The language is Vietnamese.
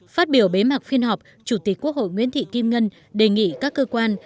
phát biểu bế mạc phiên họp chủ tịch quốc hội nguyễn thị kim ngân đề nghị các cơ quan